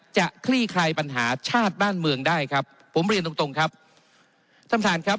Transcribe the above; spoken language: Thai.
คลี่คลายปัญหาชาติบ้านเมืองได้ครับผมเรียนตรงตรงครับท่านประธานครับ